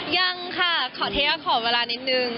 ยังค่ะเทยาขอเวลานิดหนึ่ง